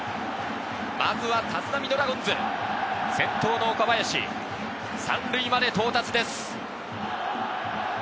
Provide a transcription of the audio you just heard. まずは立浪ドラゴンズ、先頭の岡林、３塁まで到達です。